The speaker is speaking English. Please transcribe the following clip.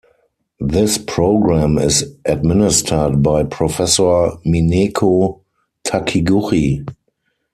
This program is administered by Professor Mineko Takiguchi.